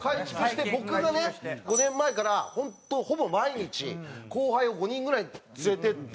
僕がね５年前から本当ほぼ毎日後輩を５人ぐらい連れてって。